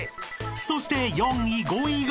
［そして４位５位が？］